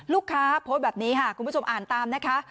โพสต์แบบนี้ค่ะคุณผู้ชมอ่านตามนะคะ